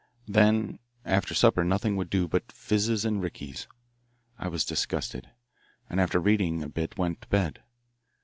Then after supper nothing would do but fizzes and rickeys. I was disgusted, and after reading a bit went to bed.